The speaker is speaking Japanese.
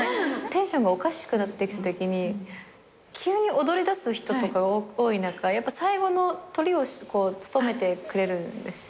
テンションがおかしくなってきたとき急に踊りだす人とかが多い中やっぱ最後のトリを務めてくれるんですよ。